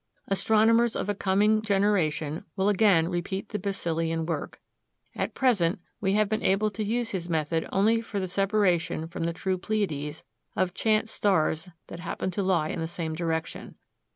Astronomers of a coming generation will again repeat the Besselian work. At present we have been able to use his method only for the separation from the true Pleiades of chance stars that happen to lie in the same direction.